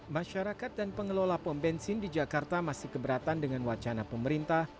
masyarakat dan pengelola pom bensin di jakarta masih keberatan dengan wacana pemerintah